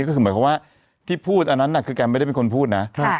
ก็คือหมายความว่าที่พูดอันนั้นคือแกไม่ได้เป็นคนพูดนะ